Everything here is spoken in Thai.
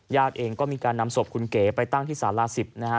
เองก็มีการนำศพคุณเก๋ไปตั้งที่สารา๑๐นะฮะ